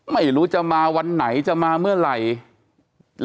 ไม่รู้จะมาวันไหนจะมาเมื่อไหร่